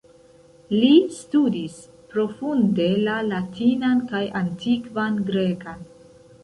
Li studis profunde la latinan kaj antikvan grekan.